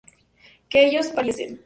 que ellos partiesen